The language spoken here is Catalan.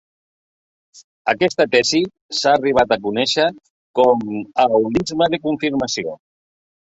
Aquesta tesi s'ha arribat a conèixer com a holisme de confirmació.